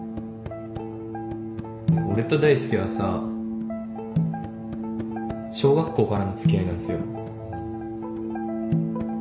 俺と大輔はさ小学校からのつきあいなんすよ。